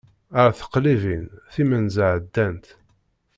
Ar teqlibin, timenza ɛeddant.